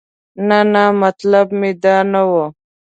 نه نه مطلب مې دا نه و.